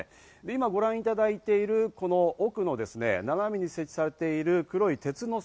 今、ご覧いただいている奥の斜めに設置されている黒い鉄の柵。